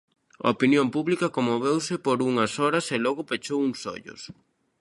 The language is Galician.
A opinión pública conmoveuse por unhas horas e logo pechou uns ollos.